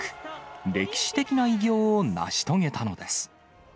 歴史的な偉業を成し遂げたのです。